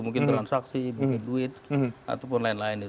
mungkin transaksi mungkin duit duit ataupun lain lain